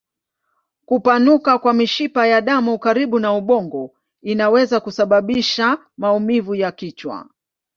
Kupanuka kwa mishipa ya damu karibu na ubongo inaweza kusababisha maumivu ya kichwa.